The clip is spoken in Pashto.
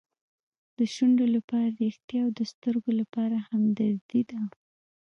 د شونډو لپاره ریښتیا او د سترګو لپاره همدردي ده.